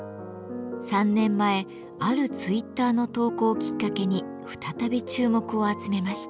３年前あるツイッターの投稿をきっかけに再び注目を集めました。